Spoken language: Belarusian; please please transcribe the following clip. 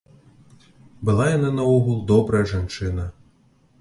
Была яна, наогул, добрая жанчына.